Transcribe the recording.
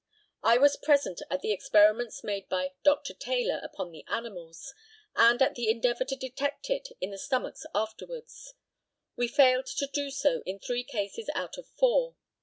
I was present at the experiments made by Dr. Taylor upon the animals, and at the endeavour to detect it in the stomachs afterwards. We failed to do so in three cases out of four.